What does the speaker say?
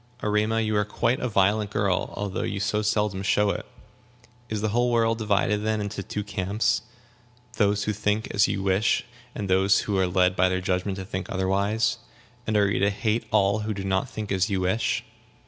"Erema, you are quite a violent girl, although you so seldom show it. Is the whole world divided, then, into two camps those who think as you wish and those who are led by their judgment to think otherwise? And are you to hate all who do not think as you wish?"